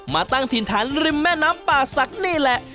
ตั้งถิ่นฐานริมแม่น้ำป่าศักดิ์นี่แหละ